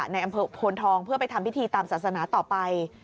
ในอำเภอโพนทองเพื่อไปทำพิธีตามศาสนาต่อไป